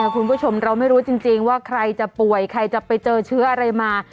คุณผู้ชมเราไม่รู้จริงว่าใครจะป่วยใครจะไปเจอเชื้ออะไรมา